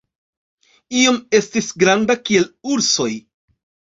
Iom estis granda kiel ursoj.